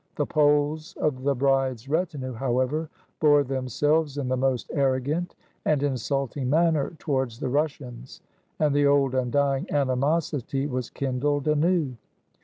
The Poles of the bride's retinue, however, bore themiselves in the most arrogant and insulting manner towards the Rus sians, and the old, undying animosity was kindled anew.